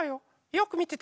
よくみてて。